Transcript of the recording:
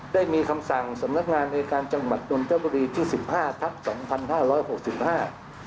ได้มีคำสั่งสำนักงานในการจังหวัดนนทบุรีที่สิบห้าทับสองพันห้าร้อยหกสิบห้า